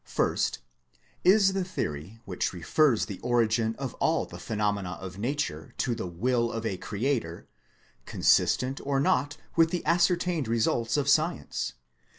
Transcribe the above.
First : Is the theory, which refers the origin of all the phenomena of nature to the will of a Creator, consistent or not with the ascertained results of science